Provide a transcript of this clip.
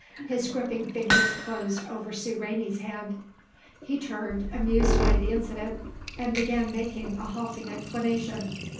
His gripping fingers closed over Sue Rainey's hand. He turned, amused by the incident, and began making a halting explanation.